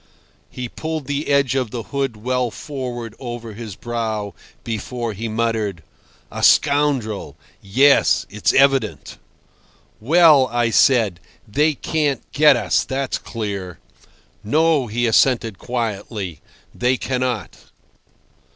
He pulled the edge of the hood well forward over his brow before he muttered: "A scoundrel. ... Yes. ... It's evident." "Well," I said, "they can't get us, that's clear." "No," he assented quietly, "they cannot."